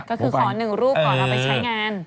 ก็คือขอหนึ่งรูปขอเขาไปใช้งาน